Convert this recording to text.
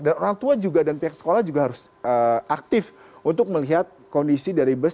dan orang tua juga dan pihak sekolah juga harus aktif untuk melihat kondisi dari bus